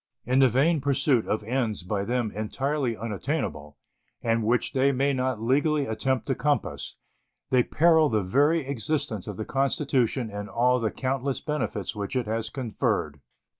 In the vain pursuit of ends by them entirely unattainable, and which they may not legally attempt to compass, they peril the very existence of the Constitution and all the countless benefits which it has conferred.